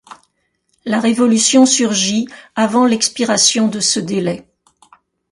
La Révolution surgit avant l’expiration de ce délai.